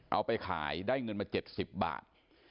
เอาไปขายได้เงินมา๗๐บาท